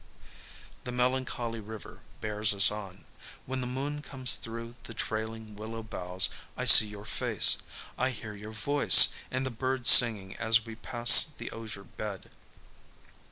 The melancholy river bears us on. When the moon comes through the trailing willow boughs, I see your face, I hear your voice and the bird singing as we pass the osier bed.